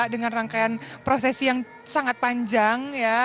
dengan rangkaian prosesi yang sangat panjang